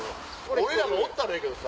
俺らがおったらええけどさ。